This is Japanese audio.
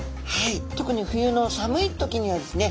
特に冬の寒い時にはですね